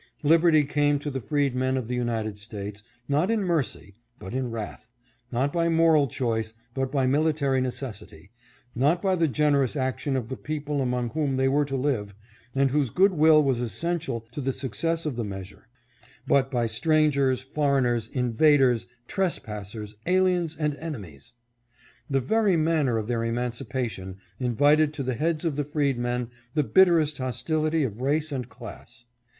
Liberty came to the f reed men of the United States not in mercy, but in wrath, not by moral choice but by military necessity, not by the gen erous action of the people among whom they were to live, and whose good will was essential to the success of the measure, but by strangers, foreigners, invaders, trespass ers, aliens, and enemies. The ver,y manner of their emancipation invited to the heads of the freedmen the bitterest hostility of race and class.